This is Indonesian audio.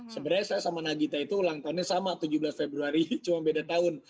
sebenarnya saya sama nagita itu ulang tahunnya sama tujuh belas februari cuma beda tahun